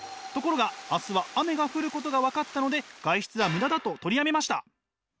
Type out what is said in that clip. ところが明日は雨が降ることが分かったので外出はムダだと取りやめました。